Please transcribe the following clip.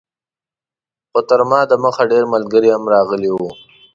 خو تر ما دمخه ډېر ملګري هم راغلي وو.